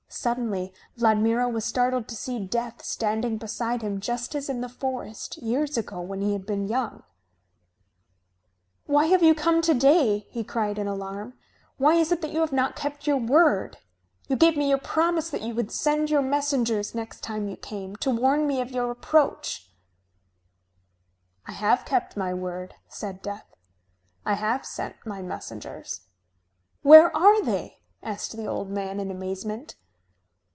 Suddenly Vladmiro was startled to see Death standing beside him just as in the forest years ago when he had been young. [Illustration: A fierce storm arose] "Why have you come to day?" he cried in alarm. "Why is it that you have not kept your word? You gave me your promise that you would send your messengers, next time you came, to warn me of your approach." "I have kept my word," said Death. "I have sent my messengers." "Where are they?" asked the old man in amazement.